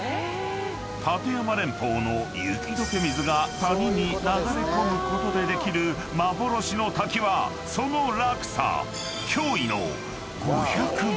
［立山連峰の雪解け水が谷に流れ込むことでできる幻の滝はその落差驚異の］